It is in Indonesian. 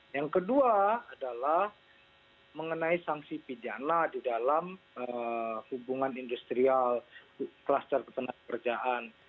yang kedua adalah mengenai sanksi pidana di dalam hubungan industrial kluster ketenagakerjaan